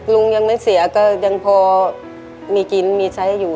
ลุงยังไม่เสียก็ยังพอมีกินมีใช้อยู่